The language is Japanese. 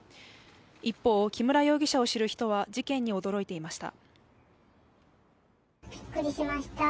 一方、木村容疑者を知る人は事件に驚いていました。